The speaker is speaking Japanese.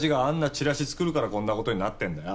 チラシ作るからこんな事になってるんだよ。